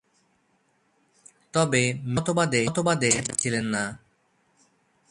তবে মেবেক মতবাদে বিশ্বাসী ছিলেন না।